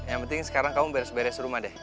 yang penting sekarang kamu beres beres rumah deh